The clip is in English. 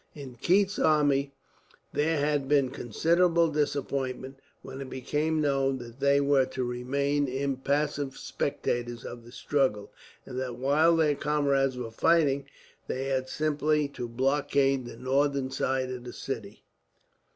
In Keith's army there had been considerable disappointment, when it became known that they were to remain impassive spectators of the struggle, and that while their comrades were fighting, they had simply to blockade the northern side of the city.